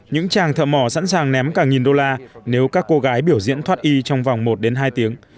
những chàng thợ mỏ sẵn sàng ném cả nghìn đô la nếu các cô gái biểu diễn thoát y trong vòng một đến hai tiếng